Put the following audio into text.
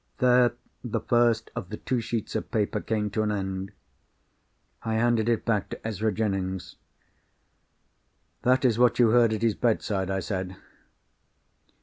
There, the first of the two sheets of paper came to an end. I handed it back to Ezra Jennings. "That is what you heard at his bedside?" I said.